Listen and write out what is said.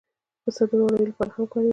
پسه د وړیو لپاره هم کارېږي.